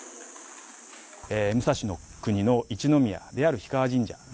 武蔵国の一宮である氷川神社。